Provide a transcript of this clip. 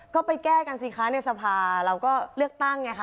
ก็ไปแก้กันสิคะในสภาเราก็เลือกตั้งไงคะ